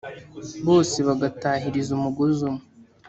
bose bagatahiriza umugozi umwe